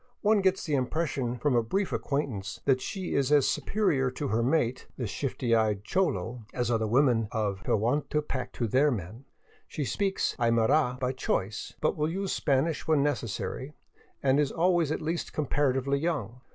One gets the impression from a brief acquaintance that she is as superior to her mate, the shifty 506 THE COLLASUYU, OR " UPPER " PERU eyed cholo, as are the women of Tehuantepec to their men. She speaks Aymara by choice, but will use Spanish when necessary; and she is always at least comparatively young.